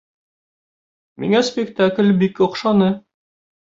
Миңә спектакль бик оҡшаны